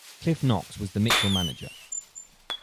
Cliff Knox was the Mitchell manager.